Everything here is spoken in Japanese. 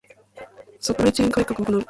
ⅱ サプライチェーン改革を行う